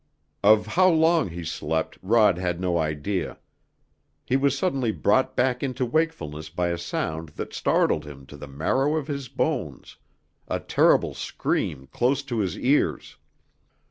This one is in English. Of how long he slept Rod had no idea. He was suddenly brought back into wakefulness by a sound that startled him to the marrow of his bones, a terrible scream close to his ears.